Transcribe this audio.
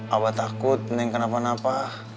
abah takut neng kenapa napa